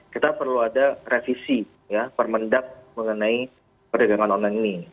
kita perlu ada revisi ya permendak mengenai perdagangan online ini